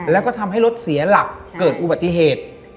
แล้วก็ทำให้รถเสียหลักเกิดอุบัติเหตุ